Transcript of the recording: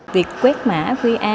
việc quét mã qr